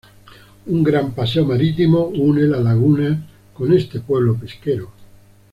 Un gran paseo marítimo une la laguna con este pueblo pesquero.